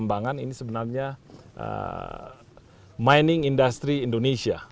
ini pertambangan ini sebenarnya mining industry indonesia